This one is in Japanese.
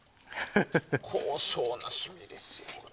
高尚な趣味ですよね。